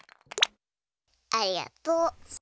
ありがとう。